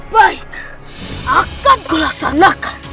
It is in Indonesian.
baik akan kau laksanakan